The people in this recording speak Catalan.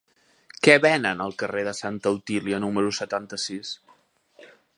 Què venen al carrer de Santa Otília número setanta-sis?